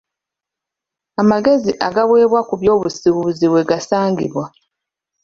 Amagezi agaweebwa ku by'obusuubuzi we gasangibwa.